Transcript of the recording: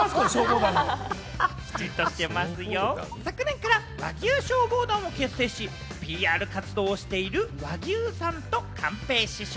昨年から和牛消防団を結成し、ＰＲ活動をしている和牛さんと寛平師匠。